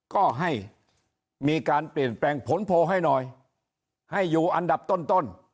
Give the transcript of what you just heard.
ก็ให้มีการเปลี่ยนแปลงผลโพลให้หน่อยให้อยู่อันดับต้น